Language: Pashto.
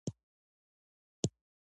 جګړه د انسان ذهن له سولې لیرې کوي